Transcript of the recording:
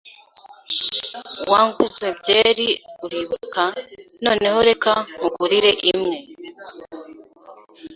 Wanguze byeri, uribuka? Noneho, reka nkugure imwe.